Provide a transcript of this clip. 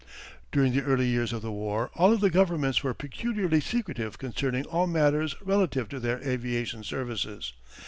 During the early years of the war all of the governments were peculiarly secretive concerning all matters relative to their aviation services.